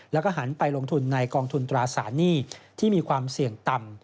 แล้วก็หันไปลงทุนในกองทุนตราสารหนี้ที่มีความเสี่ยงต่ำ